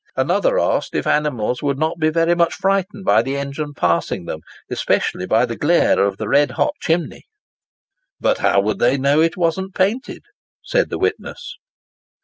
Another asked if animals would not be very much frightened by the engine passing them, especially by the glare of the red hot chimney? "But how would they know that it wasn't painted?" said the witness.